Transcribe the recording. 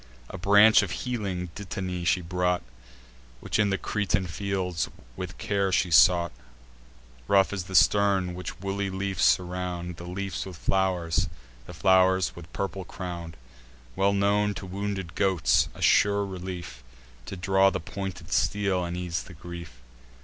A branch of healing dittany she brought, Which in the Cretan fields with care she sought: Rough is the stem, which woolly leafs surround; The leafs with flow'rs, the flow'rs with purple crown'd, Well known to wounded goats; a sure relief To draw the pointed steel, and ease the grief.